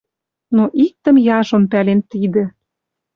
Но иктӹм яжон пӓлен тидӹ: